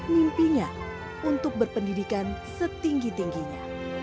mimpinya untuk berpendidikan setinggi tingginya